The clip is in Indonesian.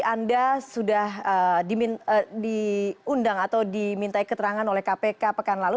anda sudah diundang atau dimintai keterangan oleh kpk pekan lalu